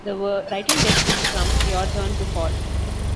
The writing desk is from "Your Turn to Fall".